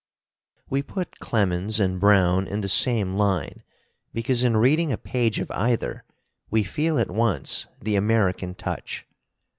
We put Clemens and Browne in the same line, because in reading a page of either we feel at once the American touch.